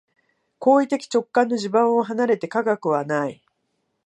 行為的直観の地盤を離れて科学はない。